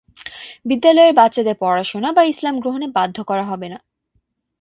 বিদ্যালয়ের বাচ্চাদের পড়াশোনা বা ইসলাম গ্রহণে বাধ্য করা হবে না।